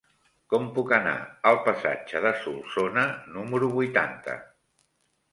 Com puc anar al passatge de Solsona número vuitanta?